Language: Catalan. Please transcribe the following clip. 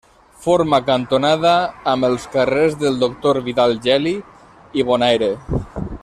Forma cantonada amb els carrers del Doctor Vidal Geli i Bon Aire.